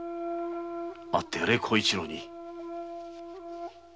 会ってやれ小一郎に。